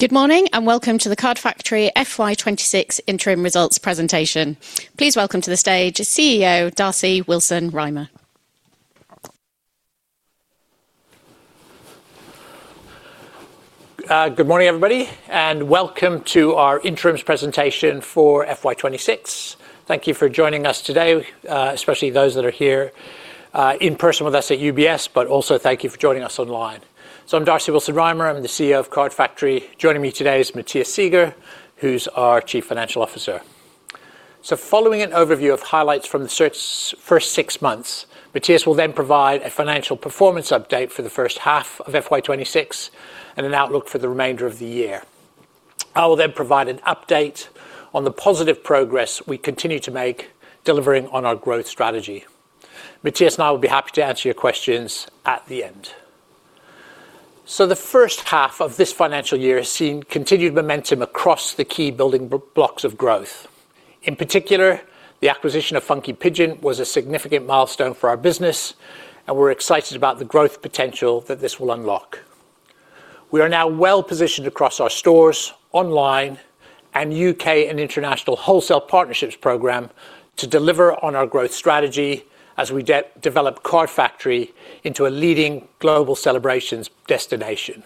Good morning and welcome to the Card Factory FY 2026 Interim Results Presentation. Please welcome to the stage CEO Darcy Willson-Rymer. Good morning everybody, and welcome to our interims presentation for FY 2026. Thank you for joining us today, especially those that are here in person with us at UBS, but also thank you for joining us online. I'm Darcy Willson-Rymer, I'm the CEO of Card Factory. Joining me today is Matthias Seeger, who's our Chief Financial Officer. Following an overview of highlights from the first six months, Matthias will then provide a financial performance update for the first half of FY 2026 and an outlook for the remainder of the year. I will then provide an update on the positive progress we continue to make, delivering on our growth strategy. Matthias and I will be happy to answer your questions at the end. The first half of this financial year has seen continued momentum across the key building blocks of growth. In particular, the acquisition of Funky Pigeon was a significant milestone for our business, and we're excited about the growth potential that this will unlock. We are now well positioned across our stores, online, and UK and international wholesale partnerships program to deliver on our growth strategy as we develop Card Factory into a leading global celebrations destination.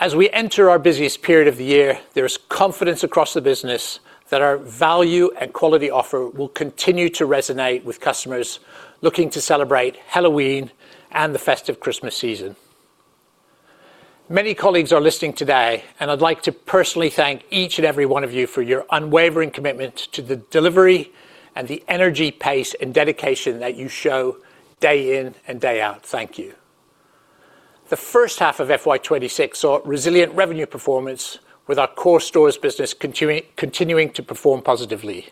As we enter our busiest period of the year, there is confidence across the business that our value and quality offer will continue to resonate with customers looking to celebrate Halloween and the festive Christmas season. Many colleagues are listening today, and I'd like to personally thank each and every one of you for your unwavering commitment to the delivery and the energy, pace, and dedication that you show day in and day out. Thank you. The first half of FY 2026 saw resilient revenue performance with our core stores business continuing to perform positively.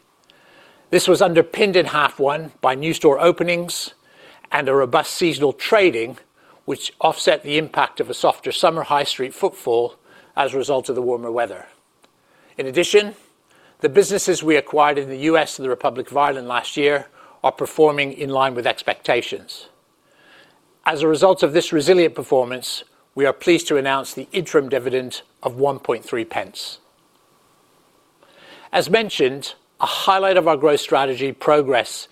This was underpinned in half one by new store openings and a robust seasonal trading, which offset the impact of a softer summer High Street footfall as a result of the warmer weather. In addition, the businesses we acquired in the U.S. and the Republic of Ireland last year are performing in line with expectations. As a result of this resilient performance, we are pleased to announce the interim dividend of 0.013. As mentioned, a highlight of our growth strategy progress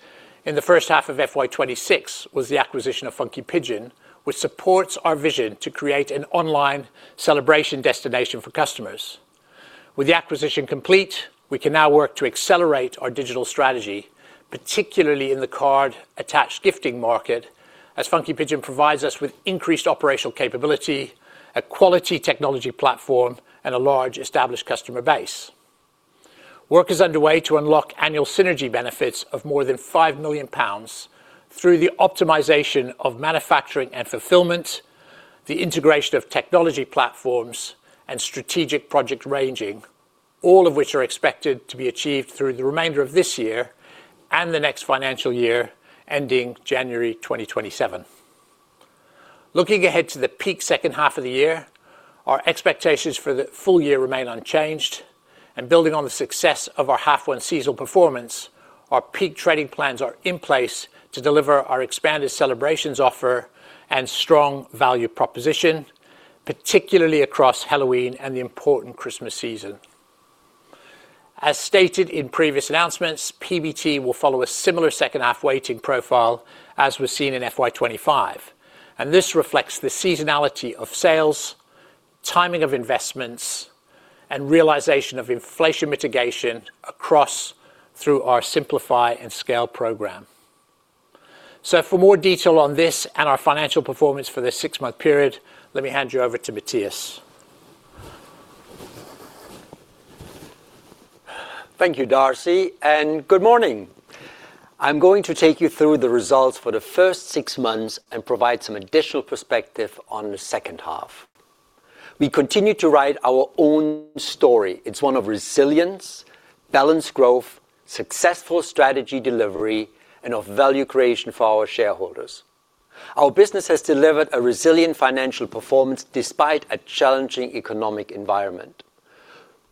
in the first half of FY 2026 was the acquisition of Funky Pigeon, which supports our vision to create an online celebration destination for customers. With the acquisition complete, we can now work to accelerate our digital strategy, particularly in the card-attached gifting market, as Funky Pigeon provides us with increased operational capability, a quality technology platform, and a large established customer base. Work is underway to unlock annual synergy benefits of more than 5 million pounds through the optimization of manufacturing and fulfillment, the integration of technology platforms, and strategic project ranging, all of which are expected to be achieved through the remainder of this year and the next financial year ending January 2027. Looking ahead to the peak second half of the year, our expectations for the full year remain unchanged, and building on the success of our half one seasonal performance, our peak trading plans are in place to deliver our expanded celebration essentials offer and strong value proposition, particularly across Halloween and the important Christmas season. As stated in previous announcements, PBT will follow a similar second half weighting profile as was seen in FY 2025, and this reflects the seasonality of sales, timing of investments, and realization of inflation mitigation through our Simplify and Scale program. For more detail on this and our financial performance for this six-month period, let me hand you over to Matthias. Thank you, Darcy, and good morning. I'm going to take you through the results for the first six months and provide some additional perspective on the second half. We continue to write our own story. It's one of resilience, balanced growth, successful strategy delivery, and of value creation for our shareholders. Our business has delivered a resilient financial performance despite a challenging economic environment.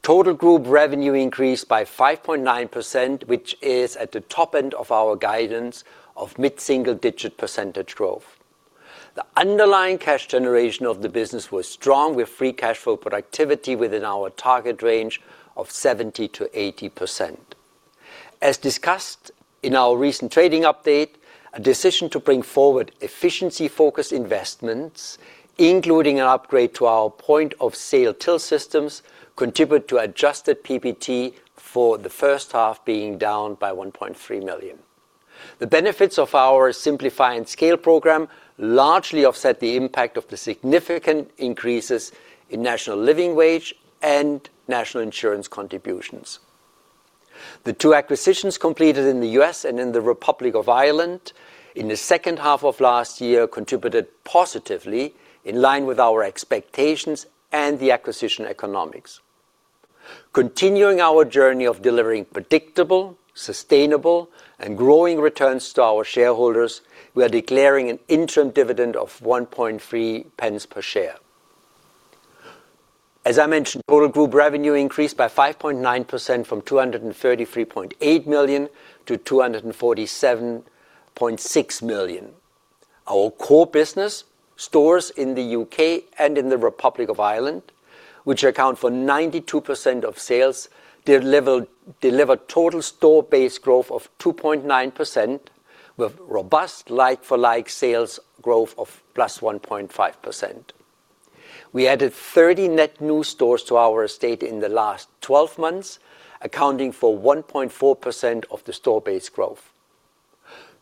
Total group revenue increased by 5.9%, which is at the top end of our guidance of mid-single-digit percentage growth. The underlying cash generation of the business was strong, with free cash flow productivity within our target range of 70%-80%. As discussed in our recent trading update, a decision to bring forward efficiency-focused investments, including an upgrade to our point-of-sale till systems, contributed to adjusted PBT for the first half being down by 1.3 million. The benefits of our Simplify and Scale program largely offset the impact of the significant increases in national living wage and national insurance contributions. The two acquisitions completed in the U.S. and in the Republic of Ireland in the second half of last year contributed positively in line with our expectations and the acquisition economics. Continuing our journey of delivering predictable, sustainable, and growing returns to our shareholders, we are declaring an interim dividend of 0.013 per share. As I mentioned, total group revenue increased by 5.9% from 233.8 million to 247.6 million. Our core business, stores in the U.K. and in the Republic of Ireland, which account for 92% of sales, delivered total store-based growth of 2.9%, with robust like-for-like sales growth of +1.5%. We added 30 net new stores to our estate in the last 12 months, accounting for 1.4% of the store-based growth.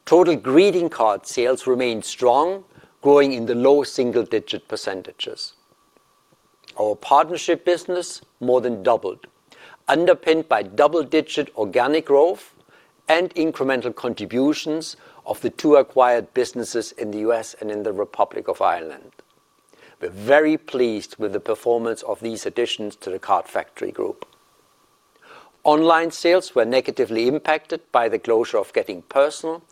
Total greeting card sales remained strong, growing in the low single-digit percentages. Our partnership business more than doubled, underpinned by double-digit organic growth and incremental contributions of the two acquired businesses in the U.S. and in the Republic of Ireland. We're very pleased with the performance of these additions to the Card Factory group. Online sales were negatively impacted by the closure of Getting Personal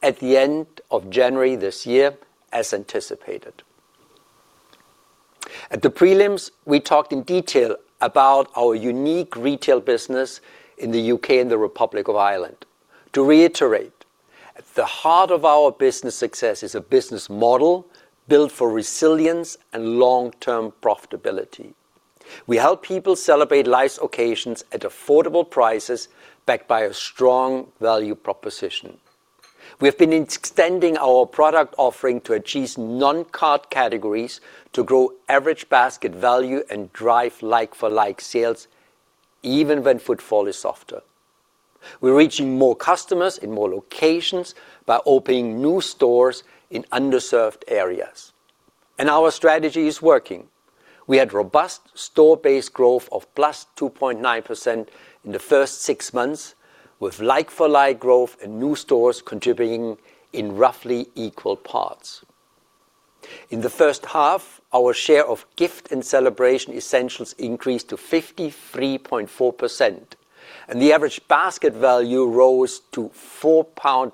at the end of January this year, as anticipated. At the prelims, we talked in detail about our unique retail business in the U.K. and the Republic of Ireland. To reiterate, at the heart of our business success is a business model built for resilience and long-term profitability. We help people celebrate life's occasions at affordable prices, backed by a strong value proposition. We have been extending our product offering to achieve non-card categories to grow average basket value and drive like-for-like sales even when footfall is softer. We are reaching more customers in more locations by opening new stores in underserved areas. Our strategy is working. We had robust store-based growth of +2.9% in the first six months, with like-for-like growth and new stores contributing in roughly equal parts. In the first half, our share of gift and celebration essentials increased to 53.4%, and the average basket value rose to 4.95 pound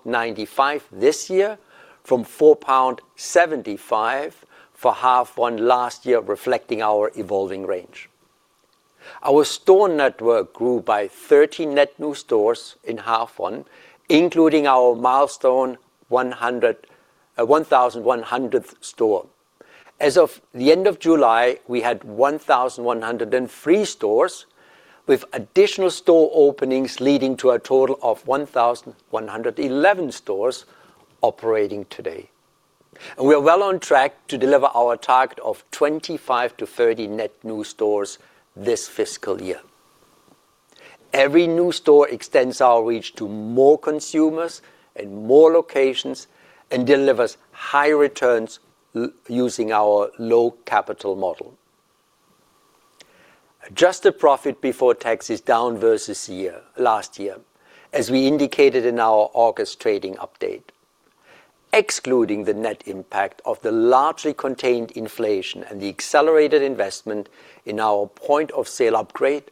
this year from 4.75 pound for half one last year, reflecting our evolving range. Our store network grew by 30 net new stores in half one, including our milestone 1,100th store. As of the end of July, we had 1,103 stores, with additional store openings leading to a total of 1,111 stores operating today. We are well on track to deliver our target of 25-30 net new stores this fiscal year. Every new store extends our reach to more consumers and more locations and delivers high returns using our low capital model. Adjusted profit before tax is down versus last year, as we indicated in our August trading update. Excluding the net impact of the largely contained inflation and the accelerated investment in our point-of-sale system upgrades,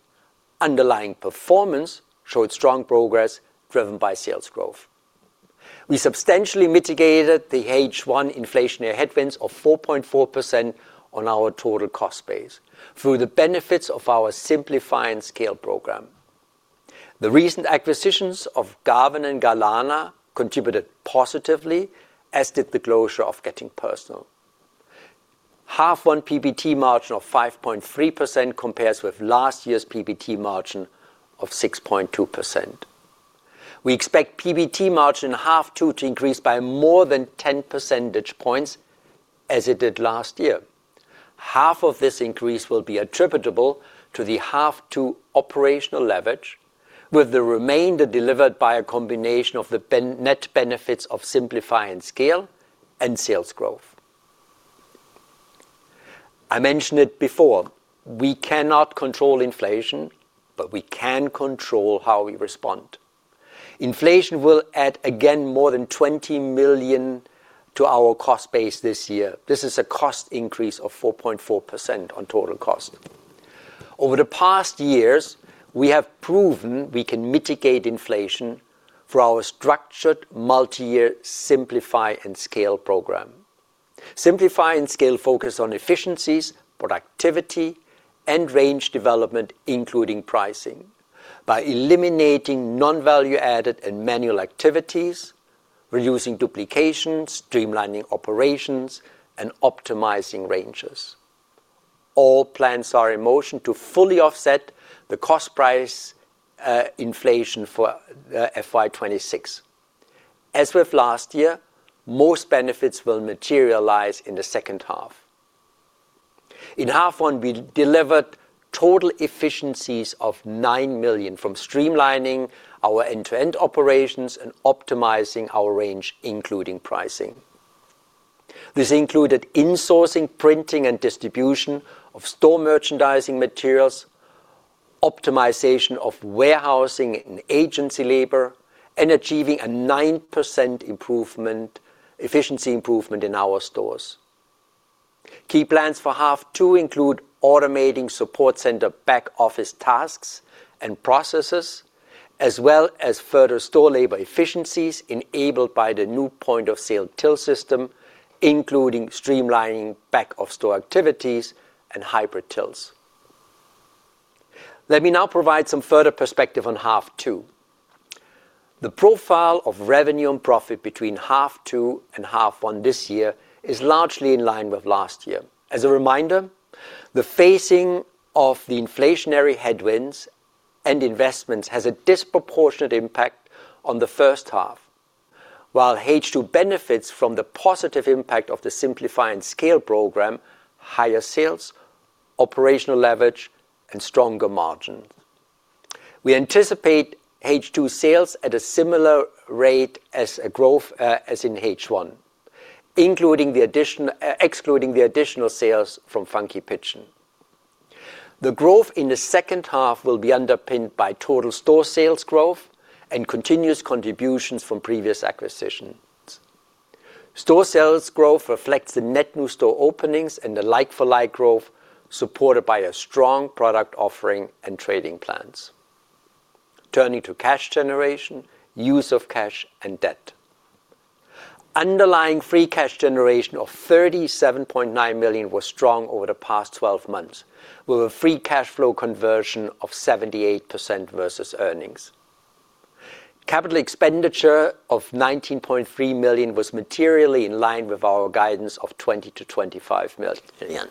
underlying performance showed strong progress driven by sales growth. We substantially mitigated the H1 inflationary headwinds of 4.4% on our total cost base through the benefits of our Simplify and Scale program. The recent acquisitions of Garvan and Galana contributed positively, as did the closure of Getting Personal. H1 PBT margin of 5.3% compares with last year's PBT margin of 6.2%. We expect PBT margin in half two to increase by more than 10 percentage points as it did last year. Half of this increase will be attributable to the half two operational leverage, with the remainder delivered by a combination of the net benefits of Simplify and Scale and sales growth. I mentioned it before, we cannot control inflation, but we can control how we respond. Inflation will add again more than 20 million to our cost base this year. This is a cost increase of 4.4% on total cost. Over the past years, we have proven we can mitigate inflation through our structured multi-year Simplify and Scale program. Simplify and Scale focus on efficiencies, productivity, and range development, including pricing, by eliminating non-value-added and manual activities, reducing duplications, streamlining operations, and optimizing ranges. All plans are in motion to fully offset the cost price inflation for FY 2026. As with last year, most benefits will materialize in the second half. In half one, we delivered total efficiencies of 9 million from streamlining our end-to-end operations and optimizing our range, including pricing. This included insourcing, printing, and distribution of store merchandising materials, optimization of warehousing and agency labor, and achieving a 9% efficiency improvement in our stores. Key plans for half two include automating support center back-office tasks and processes, as well as further store labor efficiencies enabled by the new point-of-sale till system, including streamlining back-office store activities and hybrid tills. Let me now provide some further perspective on half two. The profile of revenue and profit between half two and half one this year is largely in line with last year. As a reminder, the facing of the inflationary headwinds and investments has a disproportionate impact on the first half. While H2 benefits from the positive impact of the Simplify and Scale program, higher sales, operational leverage, and stronger margins. We anticipate H2 sales at a similar rate as in H1, including the additional sales from Funky Pigeon. The growth in the second half will be underpinned by total store sales growth and continuous contributions from previous acquisitions. Store sales growth reflects the net new store openings and the like-for-like growth supported by a strong product offering and trading plans. Turning to cash generation, use of cash, and debt. Underlying free cash generation of 37.9 million was strong over the past 12 months, with a free cash flow conversion of 78% versus earnings. Capital expenditure of 19.3 million was materially in line with our guidance of GBP 20millio-GBP 25 million.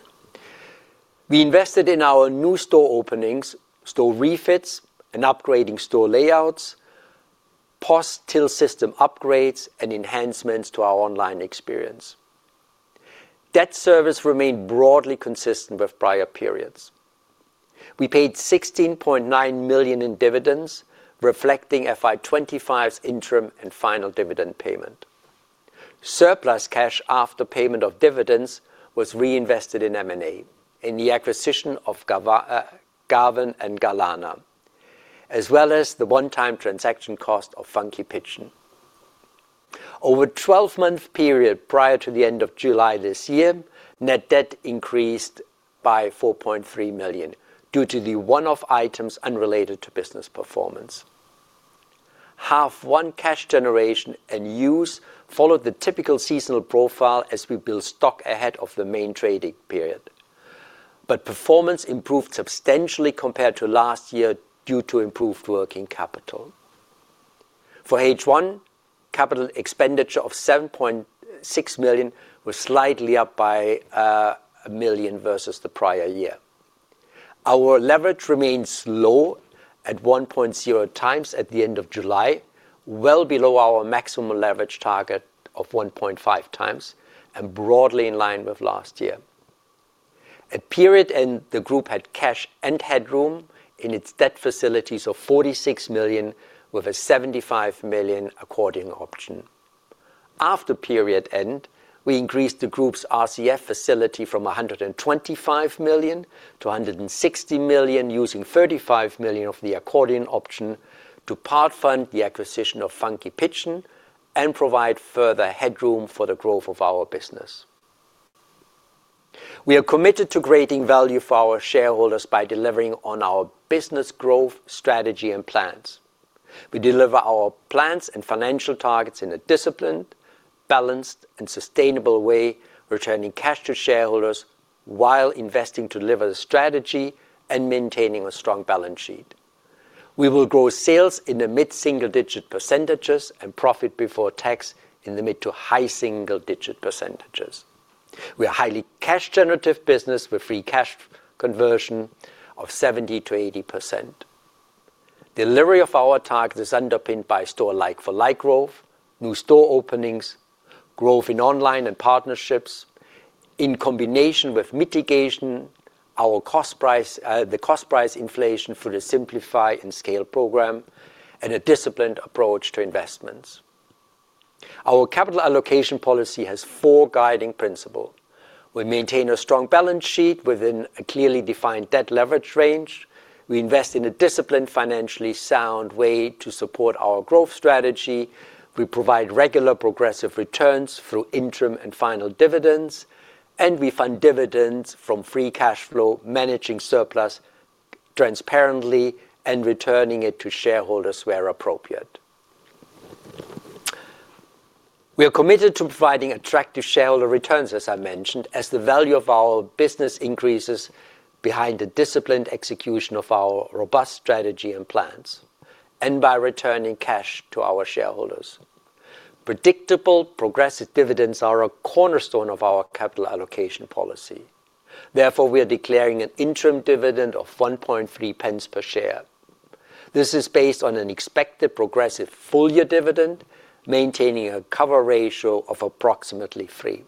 We invested in our new store openings, store refits, and upgrading store layouts, post-till system upgrades, and enhancements to our online experience. Debt service remained broadly consistent with prior periods. We paid 16.9 million in dividends, reflecting FY 2025's interim and final dividend payment. Surplus cash after payment of dividends was reinvested in M&A in the acquisition of Garvan and Galana, as well as the one-time transaction cost of Funky Pigeon. Over the 12-month period prior to the end of July this year, net debt increased by 4.3 million due to the one-off items unrelated to business performance. H1 cash generation and use followed the typical seasonal profile as we build stock ahead of the main trading period. Performance improved substantially compared to last year due to improved working capital. For H1, capital expenditure of 7.6 million was slightly up by 1 million versus the prior year. Our leverage remains low at 1.0x at the end of July, well below our maximum leverage target of 1.5x, and broadly in line with last year. At period end, the group had cash and headroom in its debt facilities of 46 million with a 75 million accordion option. After period end, we increased the group's RCF facility from 125 million-GBP 60 million, using 35 million of the accordion option to part fund the acquisition of Funky Pigeon and provide further headroom for the growth of our business. We are committed to creating value for our shareholders by delivering on our business growth strategy and plans. We deliver our plans and financial targets in a disciplined, balanced, and sustainable way, returning cash to shareholders while investing to deliver the strategy and maintaining a strong balance sheet. We will grow sales in the mid-single-digit percentages and profit before tax in the mid to high single-digit percentages. We are a highly cash-generative business with free cash conversion of 70%-80%. Delivery of our targets is underpinned by store like-for-like growth, new store openings, growth in online and partnerships, in combination with mitigation of the cost price inflation through the Simplify and Scale program and a disciplined approach to investments. Our capital allocation policy has four guiding principles. We maintain a strong balance sheet within a clearly defined debt leverage range. We invest in a disciplined, financially sound way to support our growth strategy. We provide regular progressive returns through interim and final dividends, and we fund dividends from free cash flow, managing surplus transparently and returning it to shareholders where appropriate. We are committed to providing attractive shareholder returns, as I mentioned, as the value of our business increases behind the disciplined execution of our robust strategy and plans, and by returning cash to our shareholders. Predictable, progressive dividends are a cornerstone of our capital allocation policy. Therefore, we are declaring an interim dividend of 0.013 per share. This is based on an expected progressive full-year dividend, maintaining a cover ratio of approximately 3.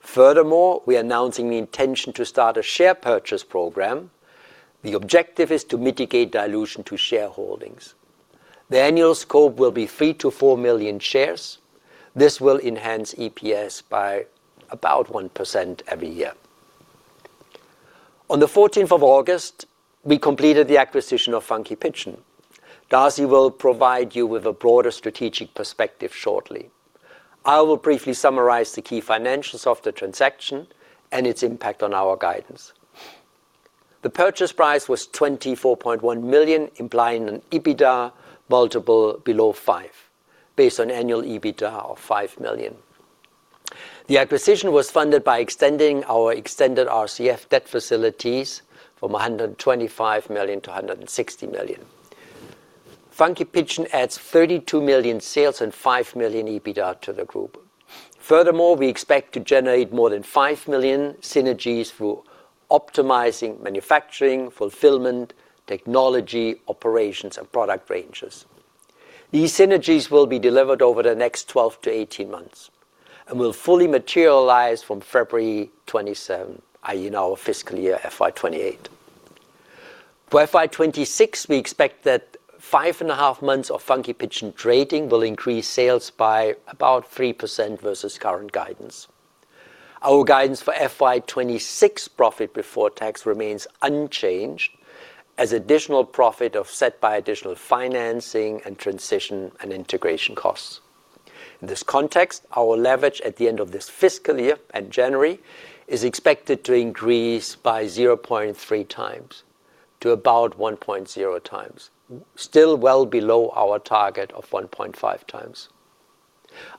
Furthermore, we are announcing the intention to start a share purchase program. The objective is to mitigate dilution to shareholdings. The annual scope will be 3 million-4 million shares. This will enhance EPS by about 1% every year. On the 14th of August, we completed the acquisition of Funky Pigeon. Darcy will provide you with a broader strategic perspective shortly. I will briefly summarize the key financials of the transaction and its impact on our guidance. The purchase price was 24.1 million, implying an EBITDA multiple below 5, based on annual EBITDA of 5 million. The acquisition was funded by extending our extended RCF debt facilities from 125 million-160 million. Funky Pigeon adds 32 million sales and 5 million EBITDA to the group. Furthermore, we expect to generate more than 5 million synergies through optimizing manufacturing, fulfillment, technology, operations, and product ranges. These synergies will be delivered over the next 12 months-18 months and will fully materialize from February 2027, i.e., in our fiscal year FY 2028. For FY 2026, we expect that five and a half months of Funky Pigeon trading will increase sales by about 3% versus current guidance. Our guidance for FY 2026 profit before tax remains unchanged, as additional profit offset by additional financing and transition and integration costs. In this context, our leverage at the end of this fiscal year and January is expected to increase by 0.3x to about 1.0x, still well below our target of 1.5x.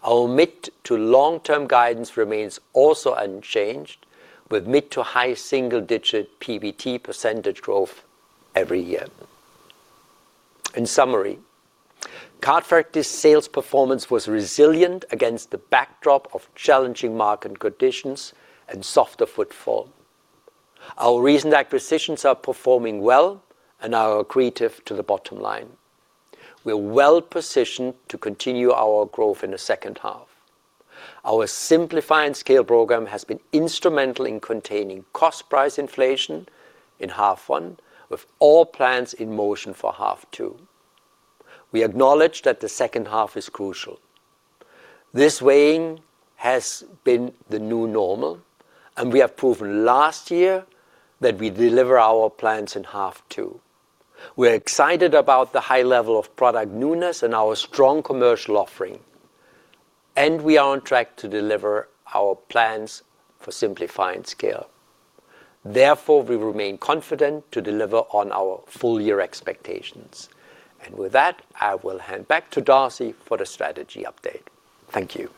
Our mid to long-term guidance remains also unchanged, with mid to high single-digit PBT percentage growth every year. In summary, Card Factory's sales performance was resilient against the backdrop of challenging market conditions and softer footfall. Our recent acquisitions are performing well, and are accretive to the bottom line. We are well positioned to continue our growth in the second half. Our Simplify and Scale program has been instrumental in containing cost price inflation in H1, with all plans in motion for H2. We acknowledge that the second half is crucial. This weighing has been the new normal, and we have proven last year that we deliver our plans in H2. We're excited about the high level of product newness and our strong commercial offering, and we are on track to deliver our plans for Simplify and Scale. Therefore, we remain confident to deliver on our full-year expectations. I will hand back to Darcy for the strategy update. Thank you.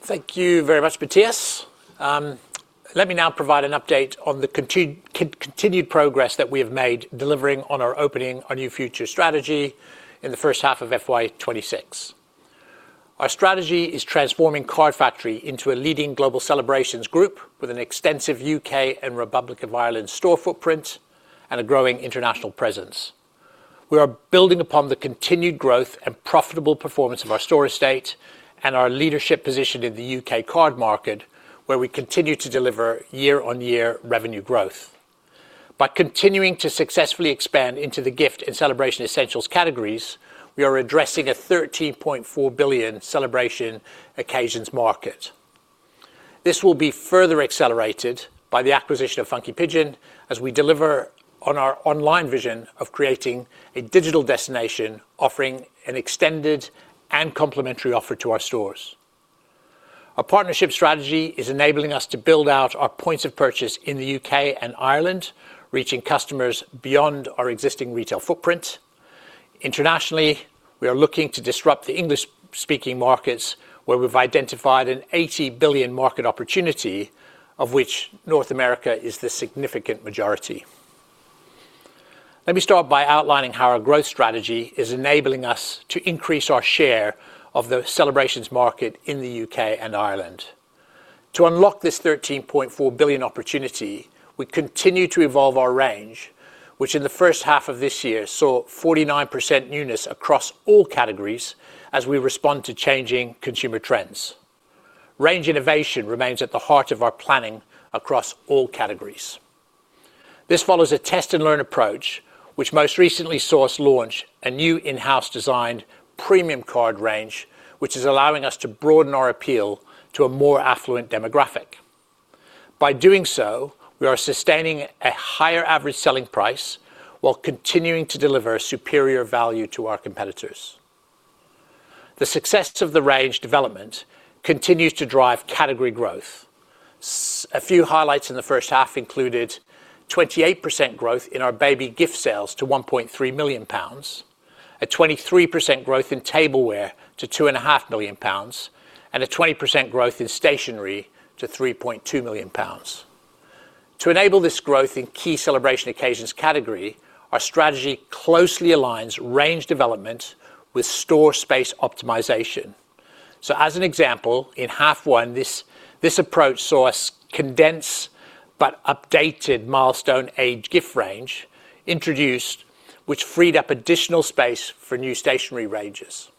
Thank you very much, Matthias. Let me now provide an update on the continued progress that we have made delivering on our opening our new future strategy in the first half of FY 2026. Our strategy is transforming Card Factory into a leading global celebrations group with an extensive U.K. and Republic of Ireland store footprint and a growing international presence. We are building upon the continued growth and profitable performance of our store estate and our leadership position in the U.K. card market, where we continue to deliver year-on-year revenue growth. By continuing to successfully expand into the gift and celebration essentials categories, we are addressing a 13.4 billion celebration occasions market. This will be further accelerated by the acquisition of Funky Pigeon as we deliver on our online vision of creating a digital destination offering an extended and complementary offer to our stores. Our partnership strategy is enabling us to build out our points of purchase in the U.K. and Republic of Ireland, reaching customers beyond our existing retail footprint. Internationally, we are looking to disrupt the English-speaking markets, where we've identified an 80 billion market opportunity, of which North America is the significant majority. Let me start by outlining how our growth strategy is enabling us to increase our share of the celebrations market in the U.K. and Ireland. To unlock this 13.4 billion opportunity, we continue to evolve our range, which in the first half of this year saw 49% newness across all categories as we respond to changing consumer trends. Range innovation remains at the heart of our planning across all categories. This follows a test and learn approach, which most recently saw us launch a new in-house designed premium card range, which is allowing us to broaden our appeal to a more affluent demographic. By doing so, we are sustaining a higher average selling price while continuing to deliver a superior value to our competitors. The success of the range development continues to drive category growth. A few highlights in the first half included 28% growth in our baby gift sales to 1.3 million pounds, a 23% growth in tableware to 2.5 million pounds, and a 20% growth in stationery to 3.2 million pounds. To enable this growth in key celebration occasions category, our strategy closely aligns range development with store space optimization. As an example, in half one, this approach saw us condense but update the milestone age gift range introduced, which freed up additional space for new stationery ranges.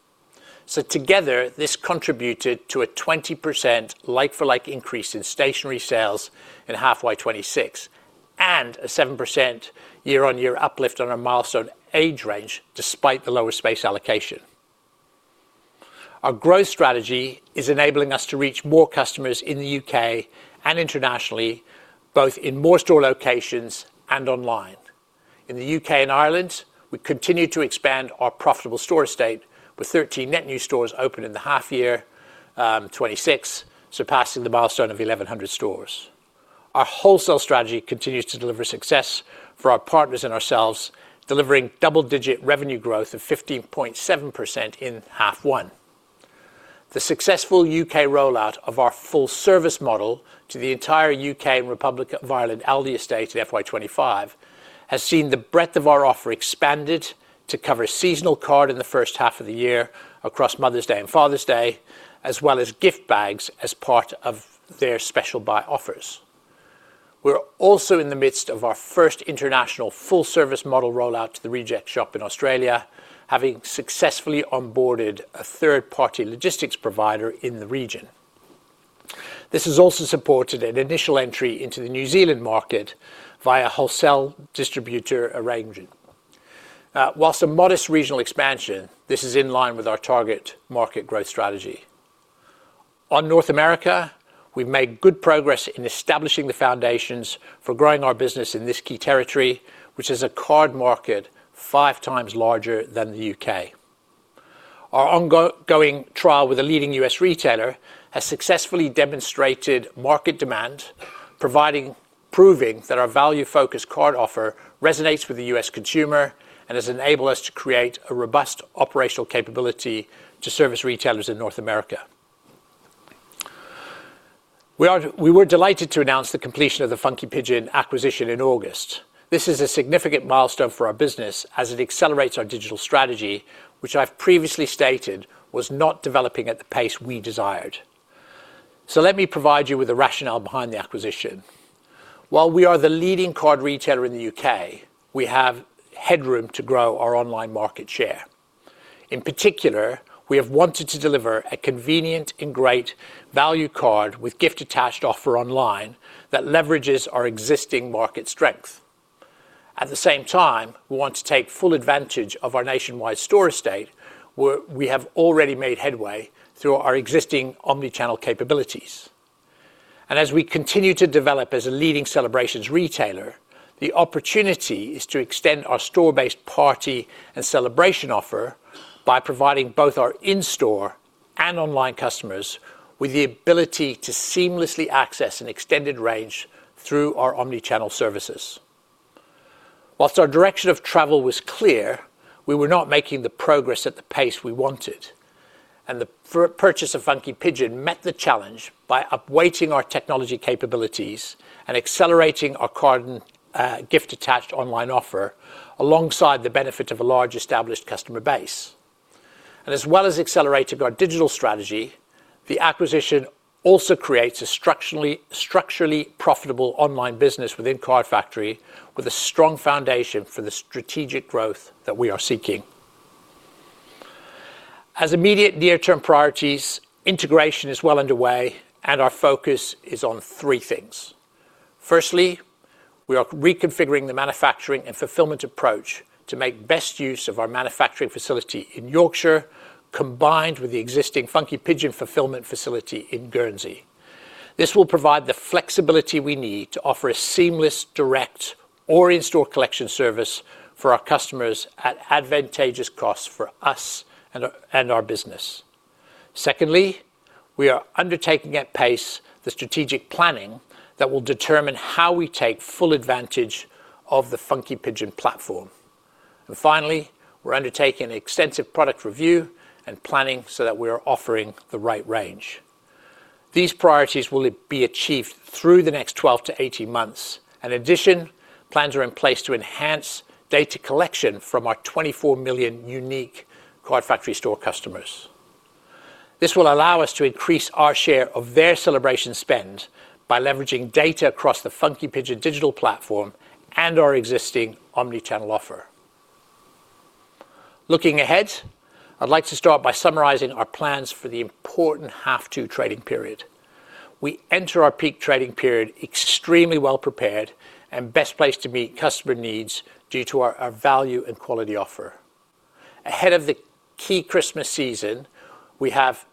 Together, this contributed to a 20% like-for-like increase in stationery sales in half FY 2026 and a 7% year-on-year uplift on our milestone age range, despite the lower space allocation. Our growth strategy is enabling us to reach more customers in the U.K. and internationally, both in more store locations and online. In the U.K. and Ireland, we continue to expand our profitable store estate with 13 net new stores open in half year 2026, surpassing the milestone of 1,100 stores. Our wholesale strategy continues to deliver success for our partners and ourselves, delivering double-digit revenue growth of 15.7% in half one. The successful U.K. rollout of our full-service model to the entire U.K. and Republic of Ireland store estate in FY 2025 has seen the breadth of our offer expanded to cover seasonal cards in the first half of the year across Mother's Day and Father's Day, as well as gift bags as part of their special buy offers. We are also in the midst of our first international full-service model rollout to the Reject Shop in Australia, having successfully onboarded a third-party logistics provider in the region. This has also supported an initial entry into the New Zealand market via a wholesale distributor arrangement. Whilst a modest regional expansion, this is in line with our target market growth strategy. On North America, we've made good progress in establishing the foundations for growing our business in this key territory, which is a card market 5x larger than the U.K. Our ongoing trial with a leading U.S. retailer has successfully demonstrated market demand, proving that our value-focused card offer resonates with the U.S. consumer and has enabled us to create a robust operational capability to service retailers in North America. We were delighted to announce the completion of the Funky Pigeon acquisition in August. This is a significant milestone for our business as it accelerates our digital strategy, which I've previously stated was not developing at the pace we desired. Let me provide you with the rationale behind the acquisition. While we are the leading card retailer in the U.K., we have headroom to grow our online market share. In particular, we have wanted to deliver a convenient and great value card with gift-attached offer online that leverages our existing market strength. At the same time, we want to take full advantage of our nationwide store estate, where we have already made headway through our existing omni-channel capabilities. As we continue to develop as a leading celebrations retailer, the opportunity is to extend our store-based party and celebration offer by providing both our in-store and online customers with the ability to seamlessly access an extended range through our omni-channel services. Whilst our direction of travel was clear, we were not making the progress at the pace we wanted, and the purchase of Funky Pigeon met the challenge by upweighting our technology capabilities and accelerating our card and gift-attached online offer alongside the benefit of a large established customer base. As well as accelerating our digital strategy, the acquisition also creates a structurally profitable online business within Card Factory, with a strong foundation for the strategic growth that we are seeking. As immediate near-term priorities, integration is well underway, and our focus is on three things. Firstly, we are reconfiguring the manufacturing and fulfillment approach to make best use of our manufacturing facility in Yorkshire, combined with the existing Funky Pigeon fulfillment facility in Guernsey. This will provide the flexibility we need to offer a seamless direct or in-store collection service for our customers at advantageous costs for us and our business. Secondly, we are undertaking at pace the strategic planning that will determine how we take full advantage of the Funky Pigeon platform. Finally, we're undertaking an extensive product review and planning so that we are offering the right range. These priorities will be achieved through the next 12 months-18 months. In addition, plans are in place to enhance data collection from our 24 million unique Card Factory store customers. This will allow us to increase our share of their celebration spend by leveraging data across the Funky Pigeon digital platform and our existing omni-channel offer. Looking ahead, I'd like to start by summarizing our plans for the important half two trading period. We enter our peak trading period extremely well prepared and best placed to meet customer needs due to our value and quality offer. Ahead of the key Christmas season, we have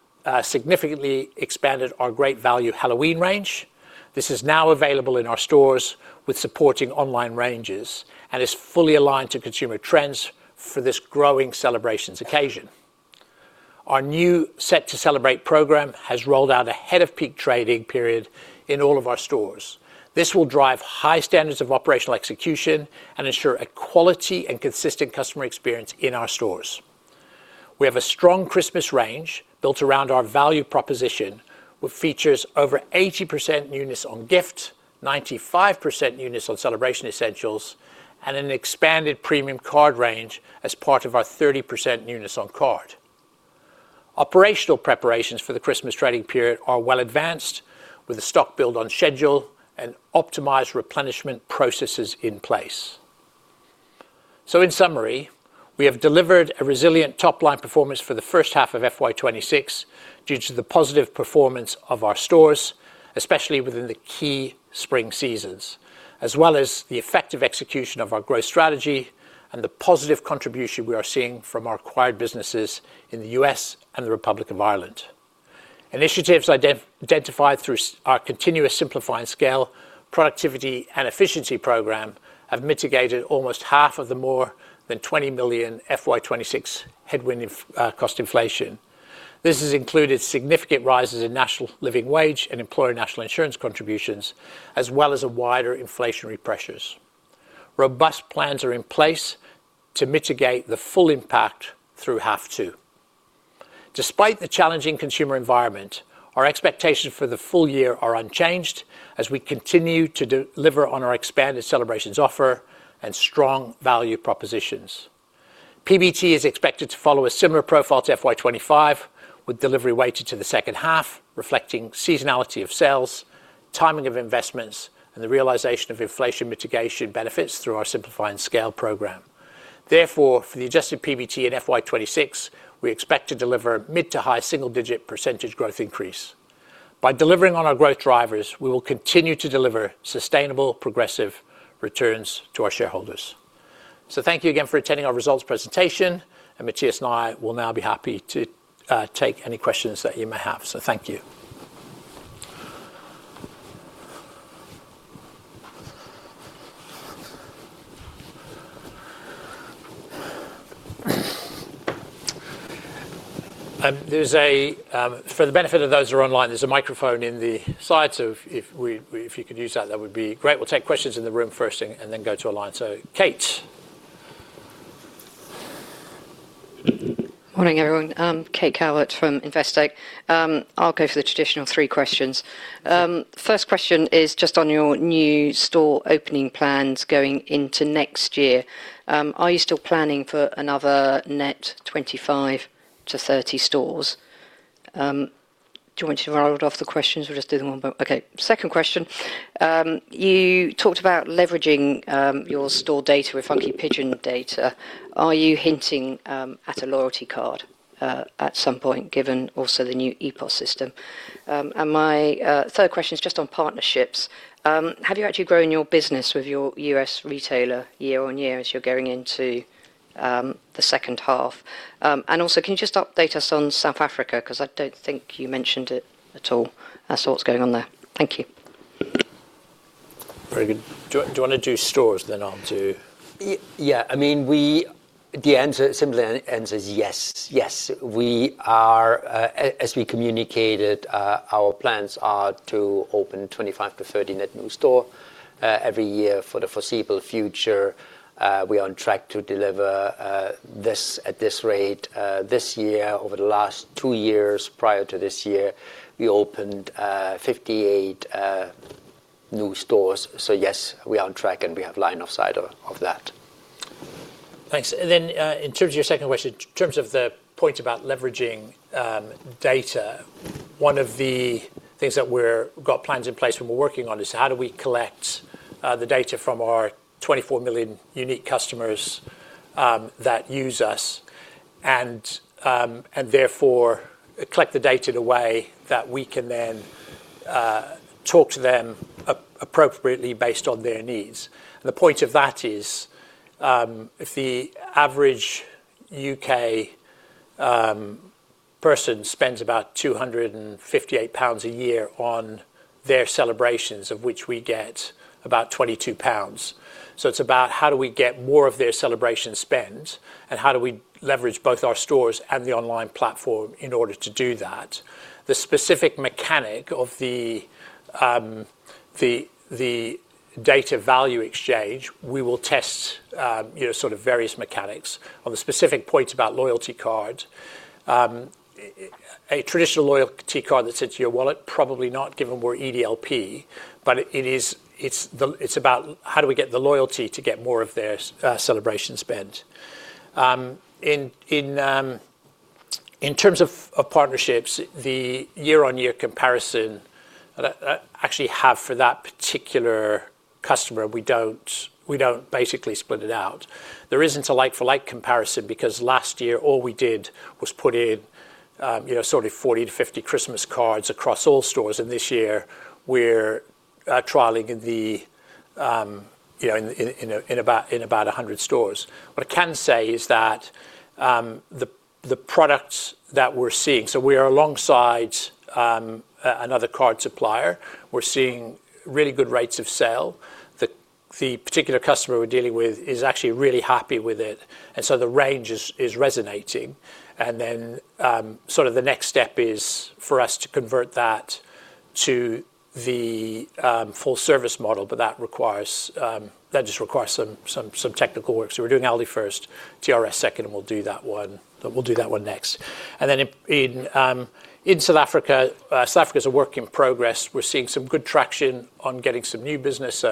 significantly expanded our great value Halloween range. This is now available in our stores with supporting online ranges and is fully aligned to consumer trends for this growing celebrations occasion. Our new Set to Celebrate program has rolled out ahead of peak trading period in all of our stores. This will drive high standards of operational execution and ensure a quality and consistent customer experience in our stores. We have a strong Christmas range built around our value proposition with features over 80% newness on gift, 95% newness on celebration essentials, and an expanded premium card range as part of our 30% newness on card. Operational preparations for the Christmas trading period are well advanced with a stock build on schedule and optimized replenishment processes in place. In summary, we have delivered a resilient top-line performance for the first half of FY 2026 due to the positive performance of our stores, especially within the key spring seasons, as well as the effective execution of our growth strategy and the positive contribution we are seeing from our acquired businesses in the U.S. and the Republic of Ireland. Initiatives identified through our continuous Simplify and Scale productivity and efficiency program have mitigated almost half of the more than 20 million FY 2026 headwind cost inflation. This has included significant rises in national living wage and employer national insurance contributions, as well as wider inflationary pressures. Robust plans are in place to mitigate the full impact through half two. Despite the challenging consumer environment, our expectations for the full year are unchanged as we continue to deliver on our expanded celebrations offer and strong value propositions. PBT is expected to follow a similar profile to FY 2025, with delivery weighted to the second half, reflecting seasonality of sales, timing of investments, and the realization of inflation mitigation benefits through our Simplify and Scale program. Therefore, for the adjusted PBT in FY 2026, we expect to deliver a mid to high single-digit percentage growth increase. By delivering on our growth drivers, we will continue to deliver sustainable, progressive returns to our shareholders. Thank you again for attending our results presentation, and Matthias and I will now be happy to take any questions that you may have. Thank you. For the benefit of those who are online, there's a microphone in the side, so if you could use that, that would be great. We'll take questions in the room first, and then go to online. So, Kate. Morning everyone. Kate Cowart from Investec. I'll go for the traditional three questions. First question is just on your new store opening plans going into next year. Are you still planning for another net 25-30 stores? Do you want me to roll it off the questions or just do the one? Okay. Second question. You talked about leveraging your store data with Funky Pigeon data. Are you hinting at a loyalty card at some point, given also the new ePOS system? My third question is just on partnerships. Have you actually grown your business with your U.S. retailer year on year as you're going into the second half? Also, can you just update us on South Africa? I don't think you mentioned it at all. I saw what's going on there. Thank you. Very good. Do you want to do stores then? I'll do. Yeah, I mean, the answer simply ends as yes. Yes, we are, as we communicated, our plans are to open 25-30 net new stores every year for the foreseeable future. We are on track to deliver this at this rate. This year, over the last two years prior to this year, we opened 58 new stores. Yes, we are on track and we have line of sight of that. Thanks. In terms of your second question, in terms of the point about leveraging data, one of the things that we've got plans in place and we're working on is how do we collect the data from our 24 million unique customers that use us and therefore collect the data in a way that we can then talk to them appropriately based on their needs. The point of that is if the average U.K. person spends about 258 pounds a year on their celebrations, of which we get about 22 pounds. It's about how do we get more of their celebration spend and how do we leverage both our stores and the online platform in order to do that. The specific mechanic of the data value exchange, we will test various mechanics. On the specific points about loyalty cards, a traditional loyalty card that sits in your wallet, probably not given we're EDLP, but it's about how do we get the loyalty to get more of their celebration spend. In terms of partnerships, the year-on-year comparison that I actually have for that particular customer, we don't basically split it out. There isn't a like-for-like comparison because last year all we did was put in 40-50 Christmas cards across all stores. This year, we're trialing in about 100 stores. What I can say is that the products that we're seeing, so we are alongside another card supplier. We're seeing really good rates of sale. The particular customer we're dealing with is actually really happy with it, and the range is resonating. The next step is for us to convert that to the full-service model, but that just requires some technical work. We're doing Aldi first, TRS second, and we'll do that one next. In South Africa, South Africa is a work in progress. We're seeing some good traction on getting some new business.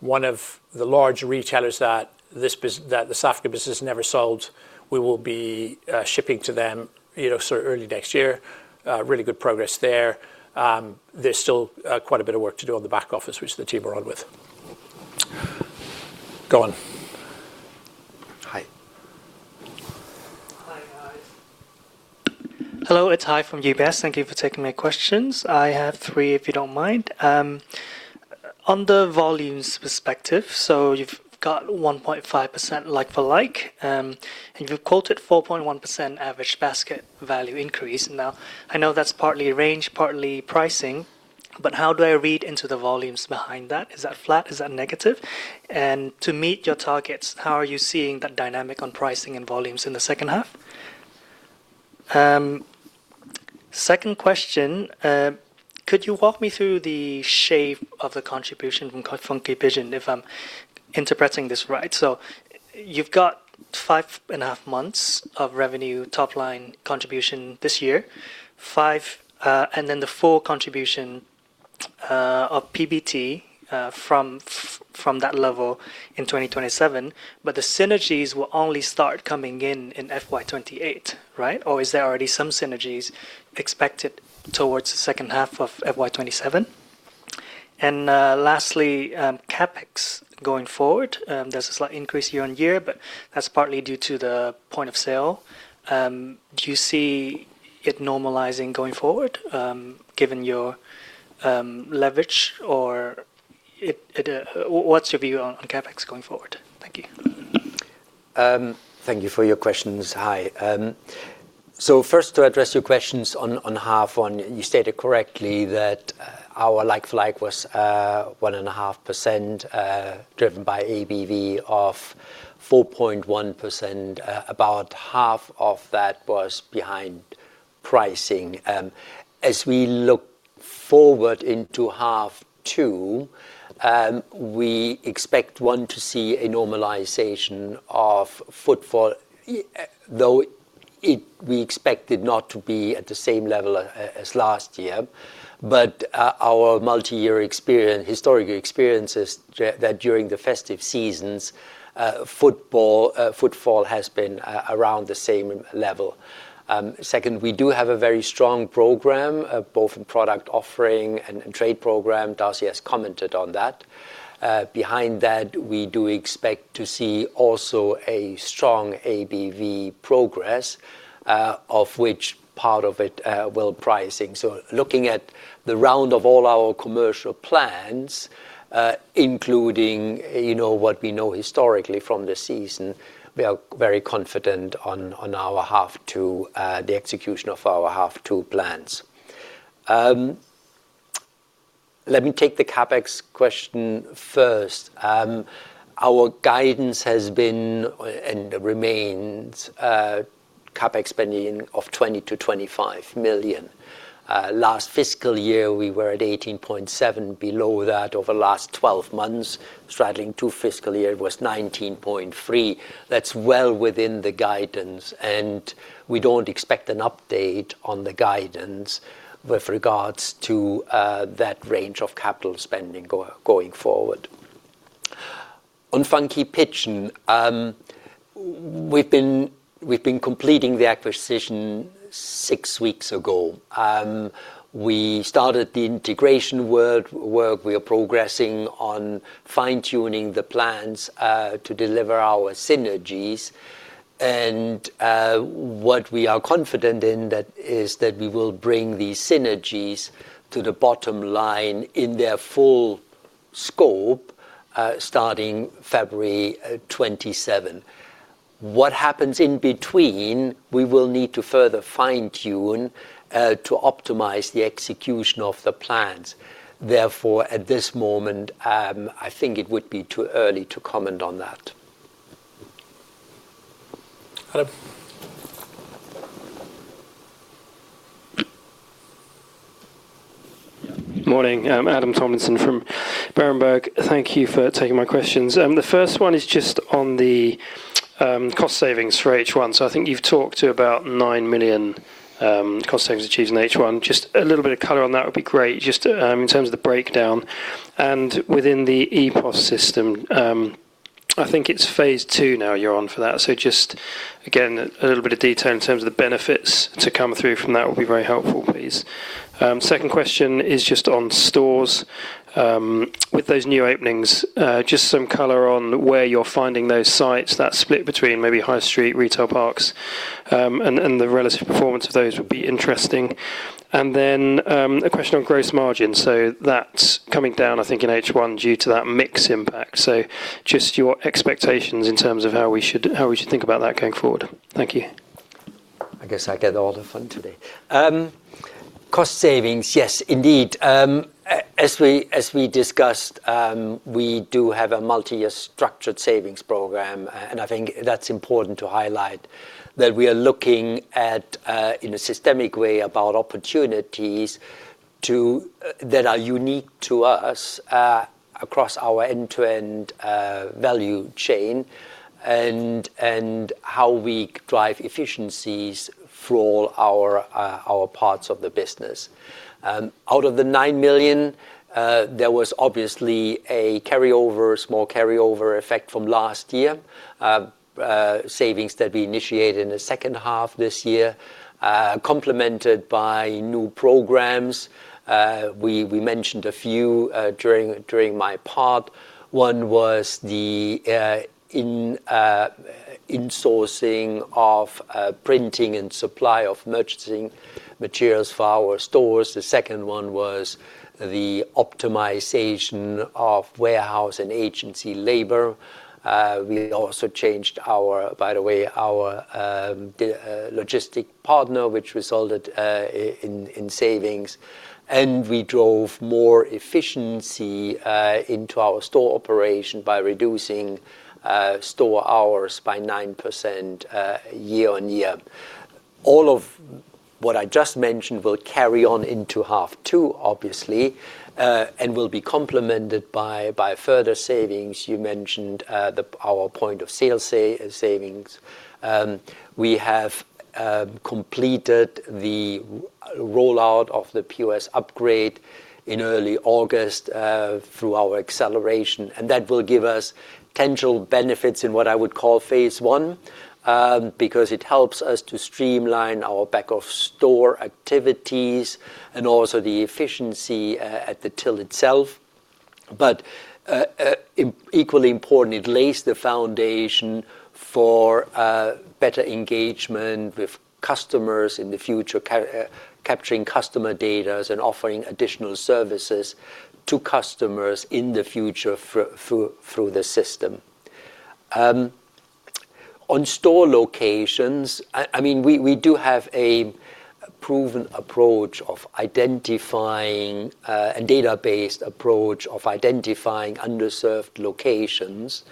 One of the large retailers that the South African business never sold, we will be shipping to them early next year. Really good progress there. There's still quite a bit of work to do on the back office, which the team are on with. Hello, it's Haye from UBS. Thank you for taking my questions. I have three, if you don't mind. On the volumes perspective, you've got 1.5% like-for-like, and you've quoted 4.1% average basket value increase. I know that's partly range, partly pricing, but how do I read into the volumes behind that? Is that flat? Is that negative? To meet your targets, how are you seeing that dynamic on pricing and volumes in the second half? Second question, could you walk me through the shape of the contribution from Funky Pigeon, if I'm interpreting this right? You've got five and a half months of revenue top line contribution this year, and then the full contribution of PBT from that level in 2027. The synergies will only start coming in in FY 2028, right? Or is there already some synergies expected towards the second half of FY 2027? Lastly, CapEx going forward, there's a slight increase year on year, but that's partly due to the point-of-sale. Do you see it normalizing going forward, given your leverage, or what's your view on CapEx going forward? Thank you. Thank you for your questions. Hi. First, to address your questions on H1, you stated correctly that our like-for-like was 1.5% driven by ABV of 4.1%. About half of that was behind pricing. As we look forward into half, we expect to see a normalization of footfall, though we expect it not to be at the same level as last year. Our multi-year experience, historic experiences, is that during the festive seasons, footfall has been around the same level. We do have a very strong program, both in product offering and trade program. Darcy has commented on that. Behind that, we do expect to see also a strong ABV progress, of which part of it will be pricing. Looking at the round of all our commercial plans, including what we know historically from the season, we are very confident on our half two, the execution of our half two plans. Let me take the CapEx question first. Our guidance has been and remains CapEx spending of 20 million-25 million. Last fiscal year, we were at 18.7 million. Below that, over the last 12 months, straddling two fiscal years, it was 19.3 million. That's well within the guidance, and we don't expect an update on the guidance with regards to that range of capital spending going forward. On Funky Pigeon, we've been completing the acquisition six weeks ago. We started the integration work. We are progressing on fine-tuning the plans to deliver our synergies. What we are confident in is that we will bring these synergies to the bottom line in their full scope, starting February 2027. What happens in between, we will need to further fine-tune to optimize the execution of the plans. At this moment, I think it would be too early to comment on that. Hello. Good morning. Adam Tomlinson from Berenberg. Thank you for taking my questions. The first one is just on the cost savings for H1. I think you've talked to about 9 million cost savings achieved in H1. Just a little bit of color on that would be great, just in terms of the breakdown. Within the point-of-sale system, I think it's phase I now you're on for that. Just again, a little bit of detail in terms of the benefits to come through from that would be very helpful, please. Second question is just on stores. With those new openings, just some color on where you're finding those sites, that split between maybe High Street, retail parks, and the relative performance of those would be interesting. A question on gross margins. That's coming down, I think, in H1 due to that mix impact. Just your expectations in terms of how we should think about that going forward. Thank you. I guess I get all the fun today. Cost savings, yes, indeed. As we discussed, we do have a multi-year structured savings program, and I think that's important to highlight that we are looking at, in a systemic way, opportunities that are unique to us across our end-to-end value chain and how we drive efficiencies for all our parts of the business. Out of the 9 million, there was obviously a small carryover effect from last year, savings that we initiated in the second half this year, complemented by new programs. We mentioned a few during my part. One was the insourcing of printing and supply of merchandising materials for our stores. The second one was the optimization of warehouse and agency labor. We also changed our, by the way, our logistic partner, which resulted in savings. We drove more efficiency into our store operation by reducing store hours by 9% year on year. All of what I just mentioned will carry on into half two, obviously, and will be complemented by further savings. You mentioned our point-of-sale savings. We have completed the rollout of the POS upgrade in early August through our acceleration, and that will give us tangible benefits in what I would call phase I, because it helps us to streamline our back-office store activities and also the efficiency at the till itself. Equally important, it lays the foundation for better engagement with customers in the future, capturing customer data and offering additional services to customers in the future through the system. On store locations, we do have a proven approach of identifying a database approach of identifying underserved locations.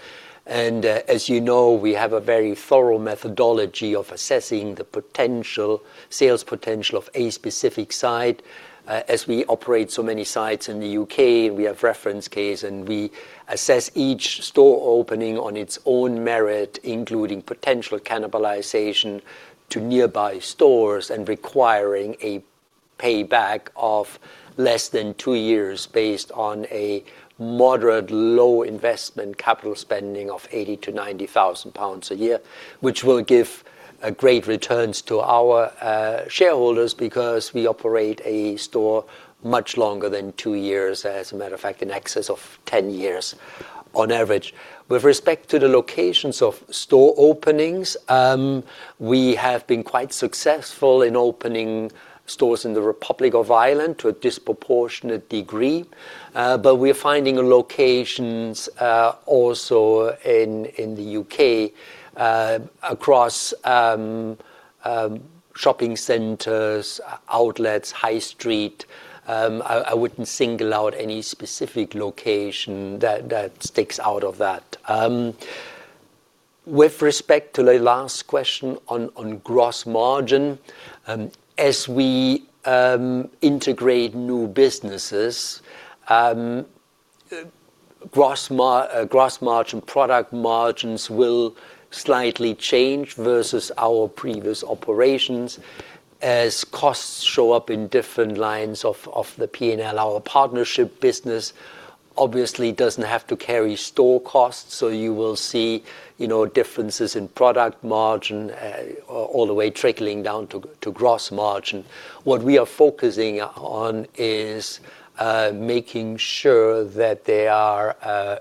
As you know, we have a very thorough methodology of assessing the potential sales potential of a specific site. As we operate so many sites in the U.K., we have reference cases, and we assess each store opening on its own merit, including potential cannibalization to nearby stores and requiring a payback of less than two years based on a moderate low investment capital spending of 80,000-90,000 pounds a year, which will give great returns to our shareholders because we operate a store much longer than two years. As a matter of fact, in excess of 10 years on average. With respect to the locations of store openings, we have been quite successful in opening stores in the Republic of Ireland to a disproportionate degree, but we're finding locations also in the U.K. across shopping centers, outlets, High Street. I wouldn't single out any specific location that sticks out of that. With respect to the last question on gross margin, as we integrate new businesses, gross margin product margins will slightly change versus our previous operations as costs show up in different lines of the P&L. Our partnership business obviously doesn't have to carry store costs, so you will see differences in product margin all the way trickling down to gross margin. What we are focusing on is making sure that they are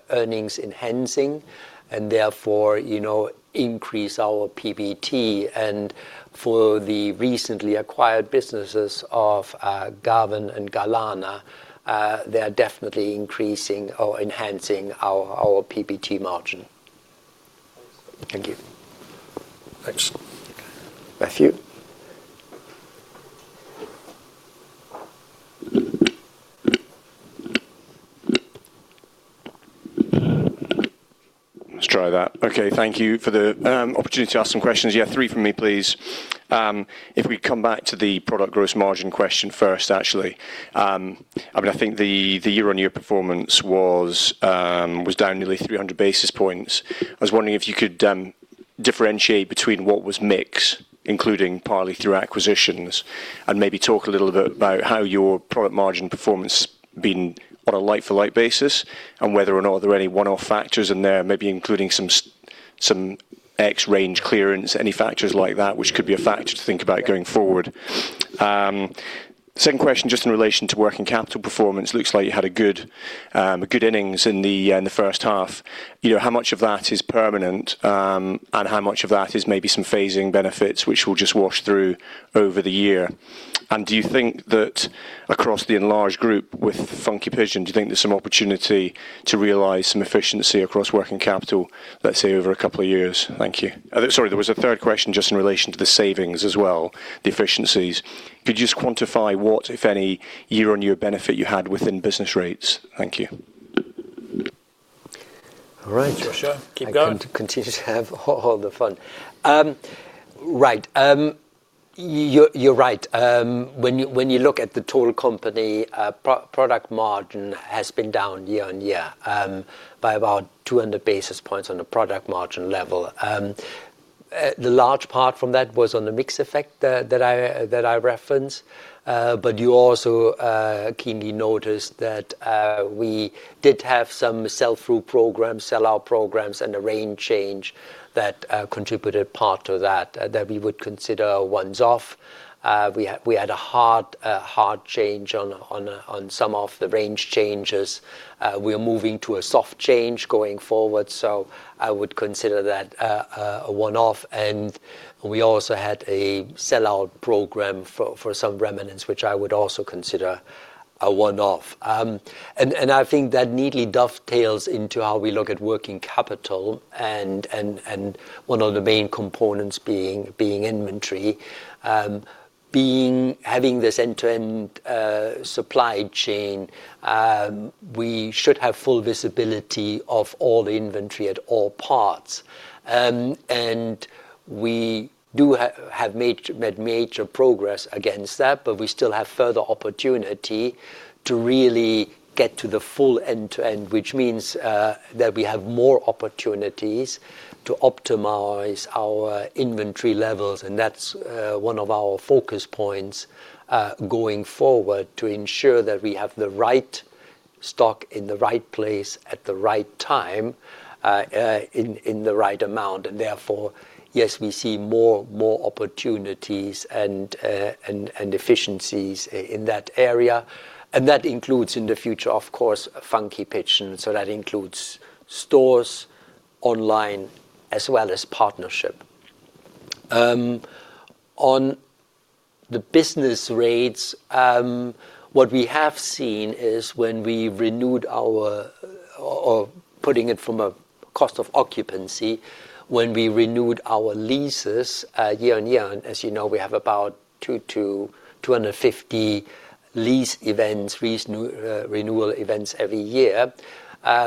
earnings enhancing and therefore increase our PBT. For the recently acquired businesses of Garvan and Galana, they are definitely increasing or enhancing our PBT margin. Thank you. Thanks. Matthias. Let's try that. Okay, thank you for the opportunity to ask some questions. Yeah, three for me, please. If we come back to the product gross margin question first, actually, I mean, I think the year-on-year performance was down nearly 300 basis points. I was wondering if you could differentiate between what was mix, including partly through acquisitions, and maybe talk a little bit about how your product margin performance has been on a like-for-like basis and whether or not there are any one-off factors in there, maybe including some ex-range clearance, any factors like that, which could be a factor to think about going forward. Second question, just in relation to working capital performance, it looks like you had good earnings in the first half. You know, how much of that is permanent and how much of that is maybe some phasing benefits, which will just wash through over the year? Do you think that across the enlarged group with Funky Pigeon, there's some opportunity to realize some efficiency across working capital, let's say, over a couple of years? Thank you. Sorry, there was a third question just in relation to the savings as well, the efficiencies. Could you just quantify what, if any, year-on-year benefit you had within business rates? Thank you. All right. Keep going. Continue to have a hot hold of the fund. Right. You're right. When you look at the total company, product margin has been down year on year by about 200 basis points on the product margin level. The large part from that was on the mix effect that I referenced. You also keenly noticed that we did have some sell-through programs, sell-out programs, and a range change that contributed part to that, that we would consider a one-off. We had a hard change on some of the range changes. We are moving to a soft change going forward. I would consider that a one-off. We also had a sell-out program for some remnants, which I would also consider a one-off. I think that neatly dovetails into how we look at working capital and one of the main components being inventory. Having this end-to-end supply chain, we should have full visibility of all the inventory at all parts. We have made major progress against that, but we still have further opportunity to really get to the full end-to-end, which means that we have more opportunities to optimize our inventory levels. That's one of our focus points going forward to ensure that we have the right stock in the right place at the right time in the right amount. Therefore, yes, we see more opportunities and efficiencies in that area. That includes in the future, of course, Funky Pigeon. That includes stores, online, as well as partnership. On the business rates, what we have seen is when we renewed our, or putting it from a cost of occupancy, when we renewed our leases year on year, and as you know, we have about 250 lease events, renewal events every year.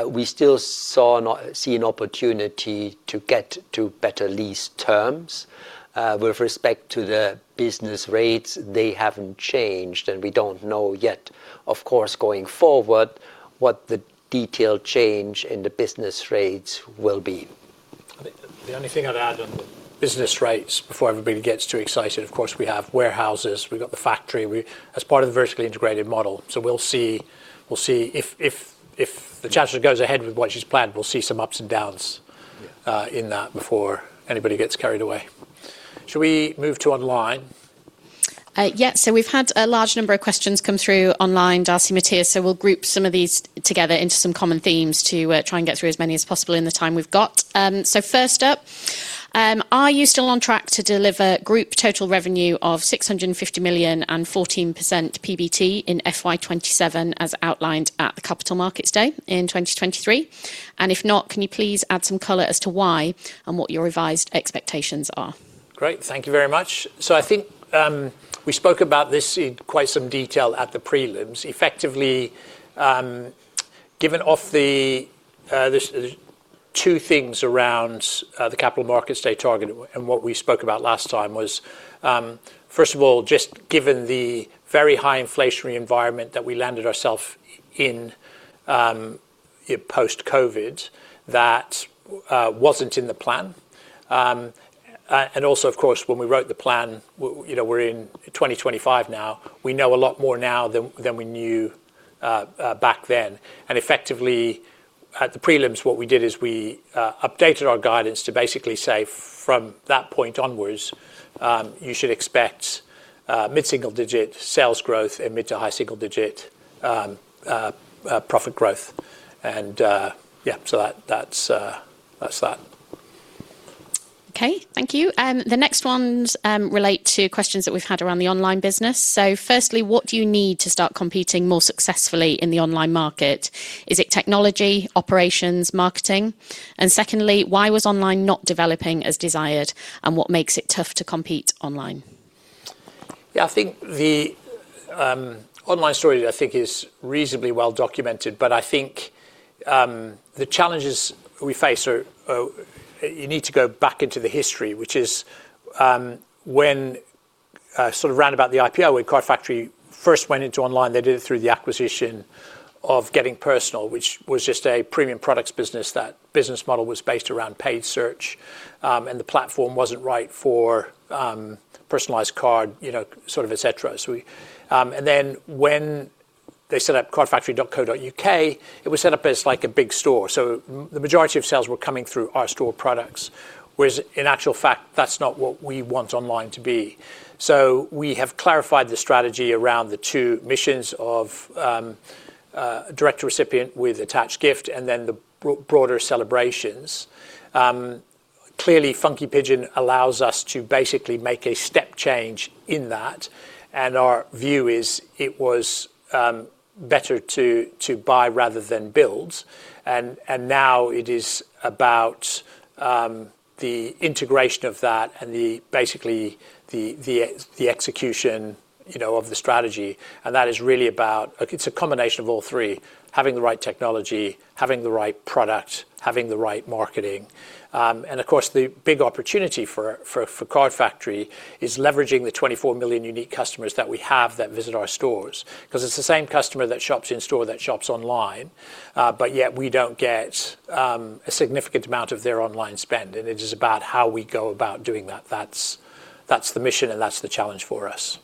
We still see an opportunity to get to better lease terms. With respect to the business rates, they haven't changed, and we don't know yet, of course, going forward what the detailed change in the business rates will be. The only thing I'd add on the business rates before everybody gets too excited, of course, we have warehouses, we've got the factory as part of the vertically integrated model. We'll see if the Chancellor goes ahead with what she's planned. We'll see some ups and downs in that before anybody gets carried away. Shall we move to online? Yeah, we've had a large number of questions come through online, Darcy, Matthias, so we'll group some of these together into some common themes to try and get through as many as possible in the time we've got. First up, are you still on track to deliver group total revenue of 650 million and 14% PBT in FY 2027 as outlined at the Capital Markets Day in 2023? If not, can you please add some color as to why and what your revised expectations are? Great, thank you very much. I think we spoke about this in quite some detail at the prelims. Effectively, given the two things around the Capital Markets Day target and what we spoke about last time, first of all, just given the very high inflationary environment that we landed ourselves in post-COVID, that wasn't in the plan. Also, of course, when we wrote the plan, you know, we're in 2025 now, we know a lot more now than we knew back then. Effectively, at the prelims, what we did is we updated our guidance to basically say from that point onwards, you should expect mid-single-digit sales growth and mid to high single-digit profit growth. Yeah, so that's that. Okay, thank you. The next ones relate to questions that we've had around the online business. Firstly, what do you need to start competing more successfully in the online market? Is it technology, operations, marketing? Secondly, why was online not developing as desired and what makes it tough to compete online? Yeah, I think the online story is reasonably well documented, but I think the challenges we face are, you need to go back into the history, which is when, round about the IPO, when Card Factory first went into online, they did it through the acquisition of Getting Personal, which was just a premium products business. That business model was based around paid search, and the platform wasn't right for personalized card, you know, et cetera. When they set up cardfactory.co.uk, it was set up as like a big store. The majority of sales were coming through our store products, whereas in actual fact, that's not what we want online to be. We have clarified the strategy around the two missions of direct recipient with attached gift and then the broader celebrations. Clearly, Funky Pigeon allows us to basically make a step change in that, and our view is it was better to buy rather than build. Now it is about the integration of that and basically the execution of the strategy. That is really about, it's a combination of all three, having the right technology, having the right product, having the right marketing. Of course, the big opportunity for Card Factory is leveraging the 24 million unique customers that we have that visit our stores, because it's the same customer that shops in store that shops online, but yet we don't get a significant amount of their online spend. It is about how we go about doing that. That's the mission and that's the challenge for us.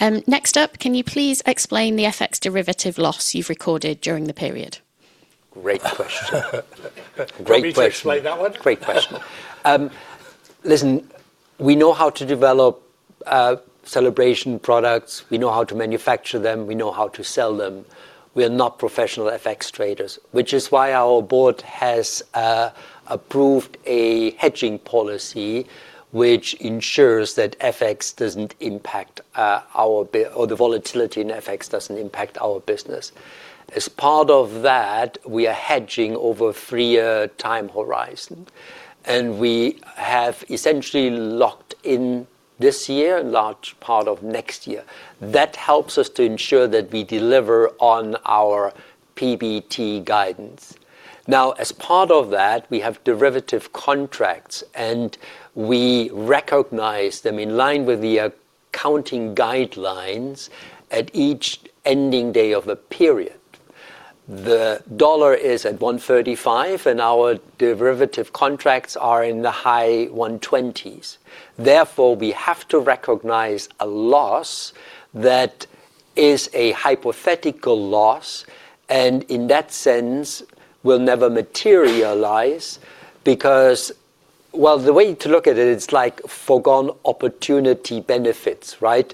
Next up, can you please explain the FX derivative loss you've recorded during the period? Great question. Great question. Can you explain that one? Great question. Listen, we know how to develop celebration products. We know how to manufacture them. We know how to sell them. We are not professional FX traders, which is why our Board has approved a hedging policy, which ensures that FX doesn't impact our, or the volatility in FX doesn't impact our business. As part of that, we are hedging over a three-year time horizon. We have essentially locked in this year and a large part of next year. That helps us to ensure that we deliver on our PBT guidance. As part of that, we have derivative contracts, and we recognize them in line with the accounting guidelines at each ending day of the period. The dollar is at $1.35, and our derivative contracts are in the high GBP 1.20s. Therefore, we have to recognize a loss that is a hypothetical loss, and in that sense, will never materialize because the way to look at it, it's like foregone opportunity benefits, right?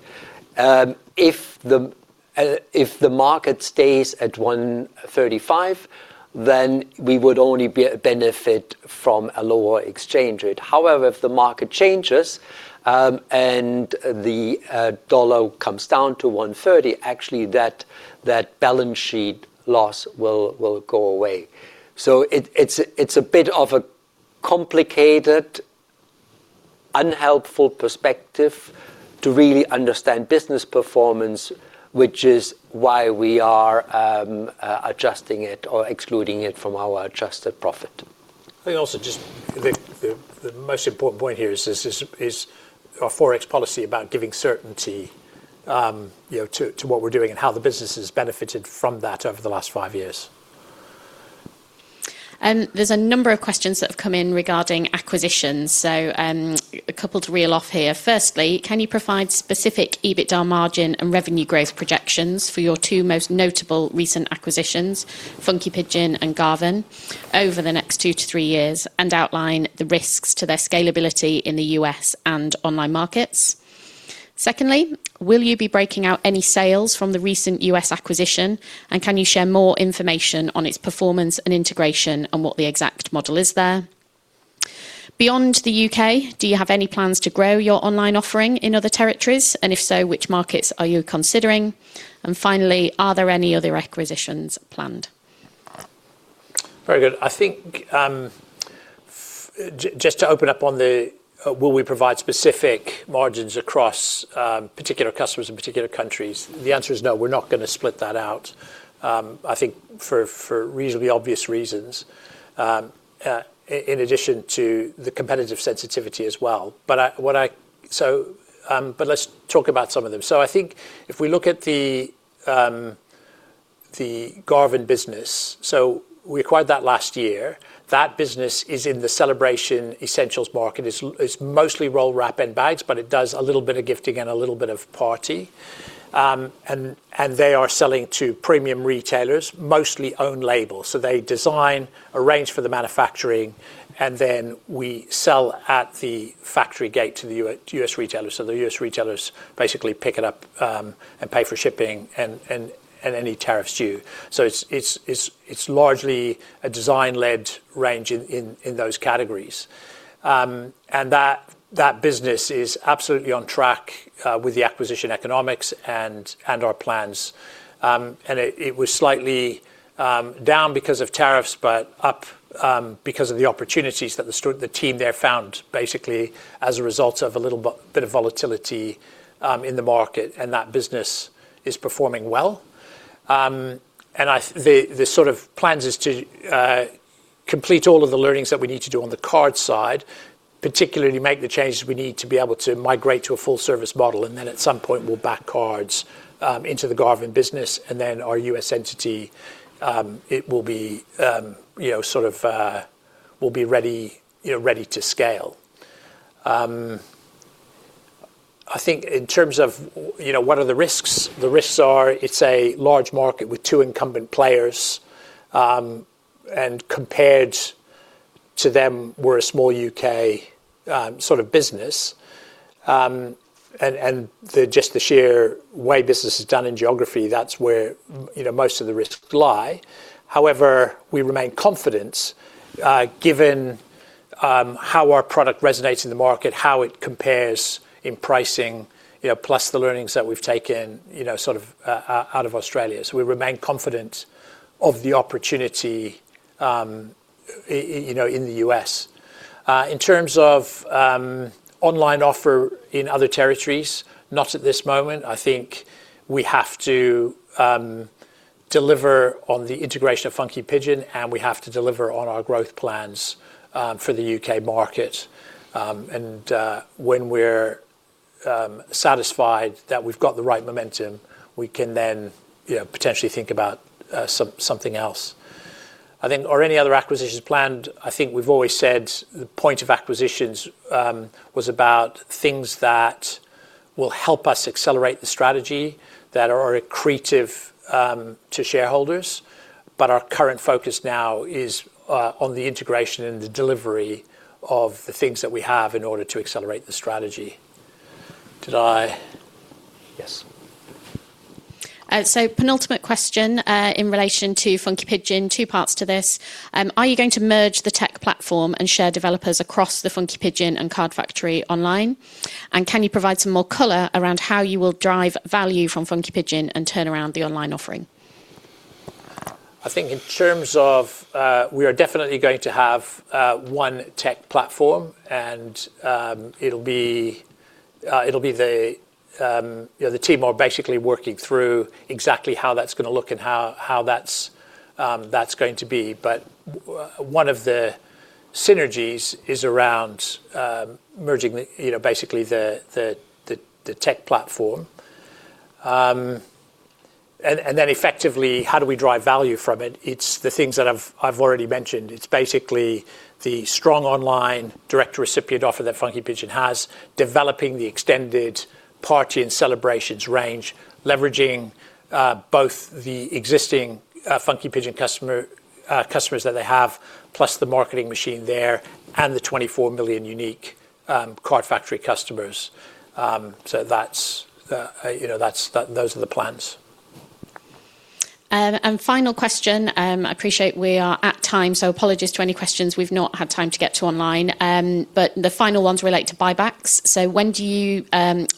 If the market stays at $1.35, then we would only benefit from a lower exchange rate. However, if the market changes and the dollar comes down to $1.30, actually that balance sheet loss will go away. It's a bit of a complicated, unhelpful perspective to really understand business performance, which is why we are adjusting it or excluding it from our adjusted profit. I think also just the most important point here is our Forex policy, about giving certainty to what we're doing and how the business has benefited from that over the last five years. There are a number of questions that have come in regarding acquisitions. A couple to reel off here. Firstly, can you provide specific EBITDA margin and revenue growth projections for your two most notable recent acquisitions, Funky Pigeon and Garvan, over the next two to three years, and outline the risks to their scalability in the U.S. and online markets? Secondly, will you be breaking out any sales from the recent U.S. acquisition, and can you share more information on its performance and integration and what the exact model is there? Beyond the U.K., do you have any plans to grow your online offering in other territories, and if so, which markets are you considering? Finally, are there any other acquisitions planned? Very good. I think just to open up on the will we provide specific margins across particular customers in particular countries, the answer is no, we're not going to split that out. I think for reasonably obvious reasons, in addition to the competitive sensitivity as well. Let's talk about some of them. If we look at the Garvan business, we acquired that last year. That business is in the celebration essentials market. It's mostly roll wrap and bags, but it does a little bit of gifting and a little bit of party. They are selling to premium retailers, mostly own label. They design, arrange for the manufacturing, and then we sell at the factory gate to the U.S. retailers. The U.S. retailers basically pick it up and pay for shipping and any tariffs due. It's largely a design-led range in those categories. That business is absolutely on track with the acquisition economics and our plans. It was slightly down because of tariffs, but up because of the opportunities that the team there found basically as a result of a little bit of volatility in the market. That business is performing well. The sort of plans is to complete all of the learnings that we need to do on the card side, particularly make the changes we need to be able to migrate to a full-service model. At some point, we'll back cards into the Garvan business. Our U.S. entity will be sort of ready to scale. In terms of what are the risks, the risks are it's a large market with two incumbent players. Compared to them, we're a small U.K. sort of business. The sheer way business is done in geography, that's where most of the risks lie. However, we remain confident given how our product resonates in the market, how it compares in pricing, plus the learnings that we've taken out of Australia. We remain confident of the opportunity in the U.S. In terms of online offer in other territories, not at this moment. We have to deliver on the integration of Funky Pigeon, and we have to deliver on our growth plans for the U.K market. When we're satisfied that we've got the right momentum, we can then potentially think about something else. Any other acquisitions planned, we've always said the point of acquisitions was about things that will help us accelerate the strategy that are creative to shareholders. Our current focus now is on the integration and the delivery of the things that we have in order to accelerate the strategy. Did I? Yes. Penultimate question in relation to Funky Pigeon, two parts to this. Are you going to merge the tech platform and share developers across the Funky Pigeon and Card Factory online? Can you provide some more color around how you will drive value from Funky Pigeon and turn around the online offering? I think in terms of we are definitely going to have one tech platform, and it'll be the team who are basically working through exactly how that's going to look and how that's going to be. One of the synergies is around merging basically the tech platform. Effectively, how do we drive value from it? It's the things that I've already mentioned. It's basically the strong online direct recipient offer that Funky Pigeon has, developing the extended party and celebrations range, leveraging both the existing Funky Pigeon customers that they have, plus the marketing machine there, and the 24 million unique Card Factory customers. Those are the plans. Final question, I appreciate we are at time, so apologies to any questions we've not had time to get to online. The final ones relate to buybacks.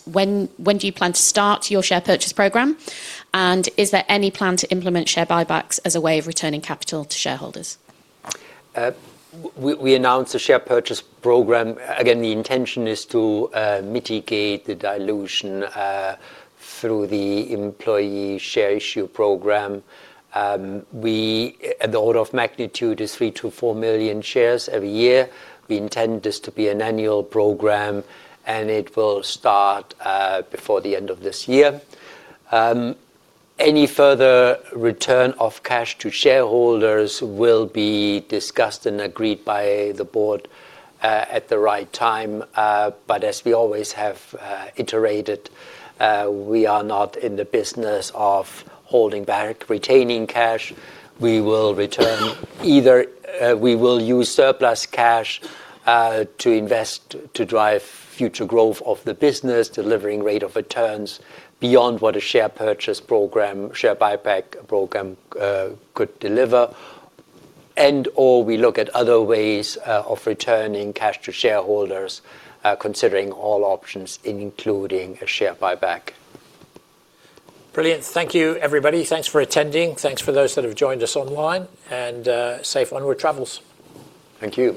When do you plan to start your share purchase program? Is there any plan to implement share buybacks as a way of returning capital to shareholders? We announced a share purchase program. Again, the intention is to mitigate the dilution through the employee share issue program. The order of magnitude is three to four million shares every year. We intend this to be an annual program, and it will start before the end of this year. Any further return of cash to shareholders will be discussed and agreed by the board at the right time. As we always have iterated, we are not in the business of holding back, retaining cash. We will return, either we will use surplus cash to invest to drive future growth of the business, delivering rate of returns beyond what a share purchase program, share buyback program could deliver, and/or we look at other ways of returning cash to shareholders, considering all options, including a share buyback. Brilliant. Thank you, everybody. Thanks for attending. Thanks for the. Have joined us online, and safe onward travels. Thank you.